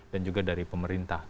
dan juga dari pemerintah